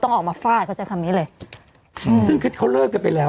ออกมาฟาดเขาใช้คำนี้เลยอืมซึ่งเขาเลิกกันไปแล้ว